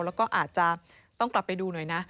แล้วก็อาจจะต้องกลับไปดูหน่อยนะ